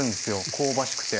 香ばしくて。